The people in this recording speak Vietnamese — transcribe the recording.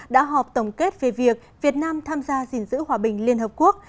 đã họp tổng kết về việc việt nam tham gia dình dữ hòa bình liên hợp quốc